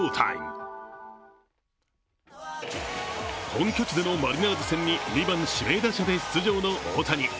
本拠地でのマリナーズ戦に２番・指名打者で出場の大谷。